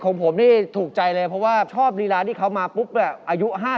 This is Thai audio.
ของผมนี่ถูกใจเลยเพราะว่าชอบรีลาที่เขามาปุ๊บแบบอายุ๕๐